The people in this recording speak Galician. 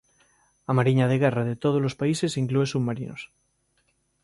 A Mariña de guerra de todos os países inclúe submarinos.